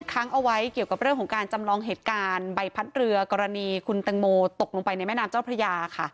ค้างเอาไว้เกี่ยวกับเรื่องของการจำลองเหตุการณ์ใบพัดเรือกรณีคุณตังโมตกลงไปในแม่น้ำเจ้าพระยาค่ะ